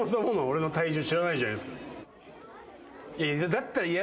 だったら。